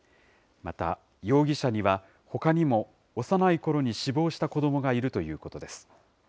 また容疑者には、ほかにも幼いころに死亡した子どもがいるということです。